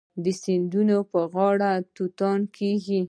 د سیندونو په غاړه توت کیږي.